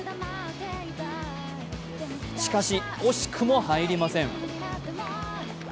しかし、惜しくも入りません。